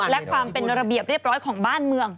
และความเป็นระเบียบเรียบร้อยของบ้านเมือง